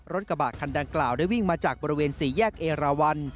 รถกระบะคันดังกล่าวได้วิ่งมาจากบริเวณสี่แยกเอราวัน